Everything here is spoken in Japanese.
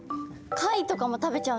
貝とかも食べちゃうんですね。